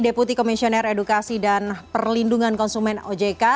deputi komisioner edukasi dan perlindungan konsumen ojk